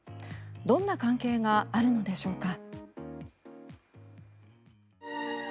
どんな関係があるのでしょうか。